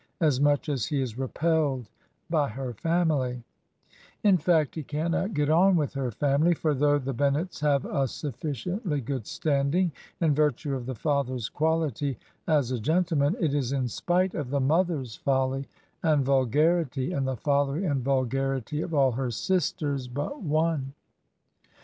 irpii I T^p^f^ l^yViPr T^fn tTy"^ Tn fact, he cannot get on with her family, for though the Bennets have a sufficiently good standing, in virtue of the father's quality as a gentleman, it is in spite the mother's folly and vulgarity, and the folly and vulgar ity of all her sisters but one.